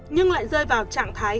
nhưng lại rơi vào trạng thái